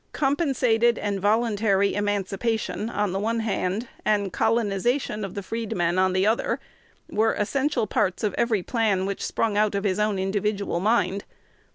"Compensated" and "voluntary emancipation," on the one hand, and "colonization" of the freedmen on the other, were essential parts of every "plan" which sprung out of his own individual mind.